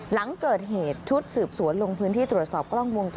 หลังเกิดเหตุชุดสืบสวนลงพื้นที่ตรวจสอบกล้องวงจร